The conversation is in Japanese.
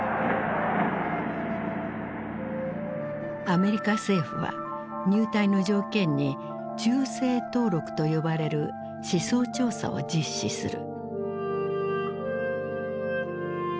アメリカ政府は入隊の条件に「忠誠登録」と呼ばれる思想調査を実施する。